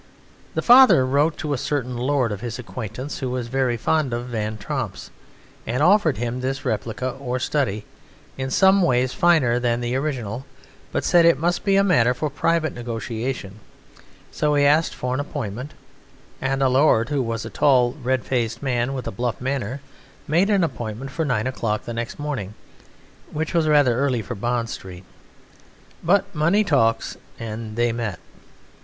The father wrote to a certain lord of his acquaintance who was very fond of Van Tromps, and offered him this replica or study, in some ways finer than the original, but he said it must be a matter for private negotiation; so he asked for an appointment, and the lord, who was a tall, red faced man with a bluff manner, made an appointment for nine o'clock next morning, which was rather early for Bond Street. But money talks, and they met.